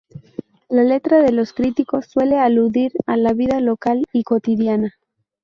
La letra de los Cristos suele aludir a la vida local y cotidiana.